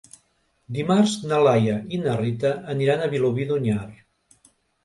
Dimarts na Laia i na Rita aniran a Vilobí d'Onyar.